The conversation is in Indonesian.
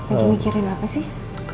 nanti mikirin apa sih